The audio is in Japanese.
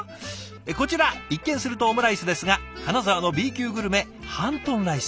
こちら一見するとオムライスですが金沢のＢ級グルメハントンライス。